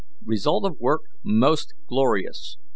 Result of work most glorious.